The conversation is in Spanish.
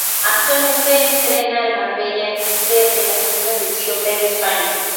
Actualmente entrena al Marbella F. C. de la Segunda División B de España.